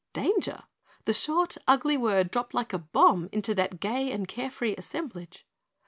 Danger! The short, ugly word dropped like a bomb into that gay and carefree assemblage.